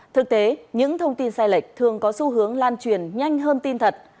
thực tế những thông tin sai lệch thường có xu hướng lan truyền nhanh hơn tin thật